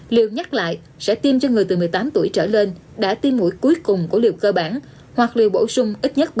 liều nhắc lại sẽ tiêm cho người từ một mươi tám tuổi trở lên đã tiêm mũi cuối cùng của liều cơ bản hoặc liều bổ sung ít nhất